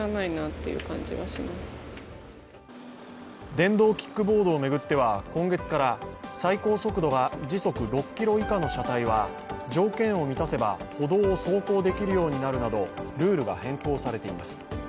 電動キックボードを巡っては今月から最高速度が時速６ｋｍ以下の車体は条件を満たせば歩道を走行できるようになるなどルールが変更されています。